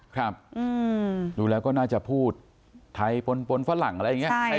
ครับดูแล้วก็น่าจะพูดไทยปนฝรั่งอะไรอย่างนี้